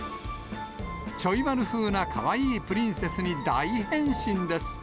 ちょい悪ふうなかわいいプリンセスに大変身です。